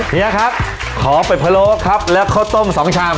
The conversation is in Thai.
นี่นะครับขอเป็นพะโลกครับแล้วข้าวต้ม๒ชาม